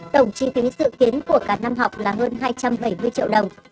tổng chi phí dự kiến của cả năm học là hơn hai trăm bảy mươi triệu đồng